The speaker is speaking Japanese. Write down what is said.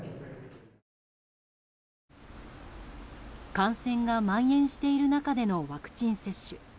感染がまん延している中でのワクチン接種。